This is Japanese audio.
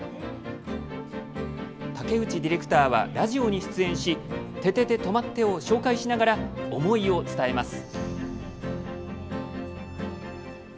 竹内ディレクターはラジオに出演し「ててて！とまって！」を紹介しながら、思いを伝えます。